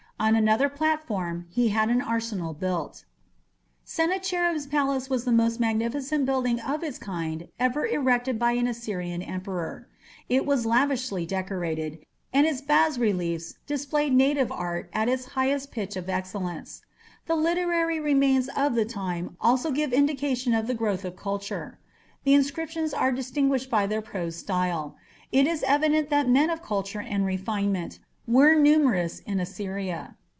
On another platform he had an arsenal built. Sennacherib's palace was the most magnificent building of its kind ever erected by an Assyrian emperor. It was lavishly decorated, and its bas reliefs display native art at its highest pitch of excellence. The literary remains of the time also give indication of the growth of culture: the inscriptions are distinguished by their prose style. It is evident that men of culture and refinement were numerous in Assyria.